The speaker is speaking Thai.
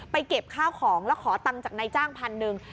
เก็บข้าวของแล้วขอตังค์จากนายจ้างพันหนึ่ง